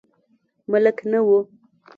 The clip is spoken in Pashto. ملک نه و.